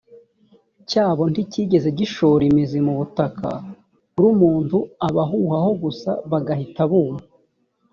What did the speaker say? cyabo nticyigeze gishora imizi mu butaka r umuntu abahuhaho gusa bagahita buma